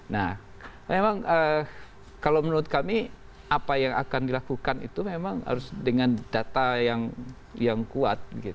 nah memang kalau menurut kami apa yang akan dilakukan itu memang harus dengan data yang kuat